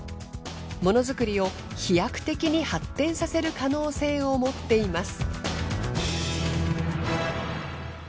モノづくりを飛躍的に発展させる可能性を持っています。